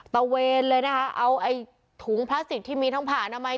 เวนเลยนะคะเอาไอ้ถุงพลาสติกที่มีทั้งผ่าอนามัย